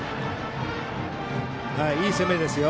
いい攻めですよ。